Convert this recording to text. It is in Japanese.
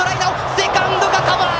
セカンドがカバー！